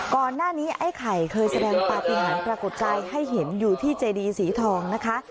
ก่อนหน้านี้ไอ้ไข่เคยแสดงปฏิหารปรากฏใจให้เห็นอยู่ที่เจดีสีทองนะคะ